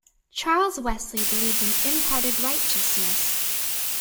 Charles Wesley believed in imparted righteousness.